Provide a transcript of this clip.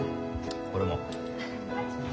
俺も。